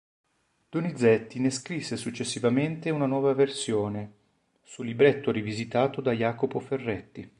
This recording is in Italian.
Donizetti ne scrisse successivamente una nuova versione, su libretto rivisitato da Jacopo Ferretti.